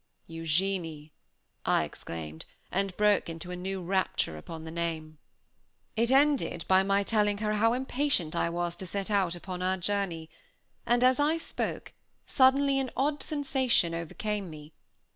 "Eugenie!" I exclaimed, and broke into a new rapture upon the name. It ended by my telling her how impatient I was to set out upon our journey; and, as I spoke, suddenly an odd sensation overcame me.